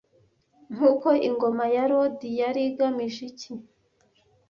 nkuko ingoma ya Lodi yari igamije iki